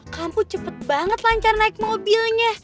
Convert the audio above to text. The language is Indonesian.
kamu cepet banget lancar naik mobilnya